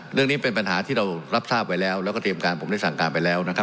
เรื่องนี้เป็นปัญหาที่เรารับทราบไว้แล้วแล้วก็เตรียมการผมได้สั่งการไปแล้วนะครับ